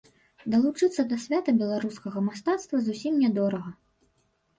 Далучыцца да свята беларускага мастацтва зусім нядорага.